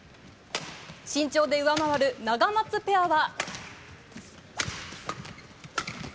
身長で上回るナガマツペアは。